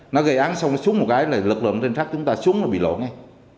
nó gây án xong nó xuống một cái là lực lượng trinh sát chúng ta xuống là bị lộ ngay